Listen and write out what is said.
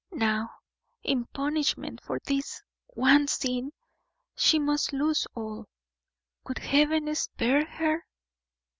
Now, in punishment for this one sin, she must lose all. Would Heaven spare her?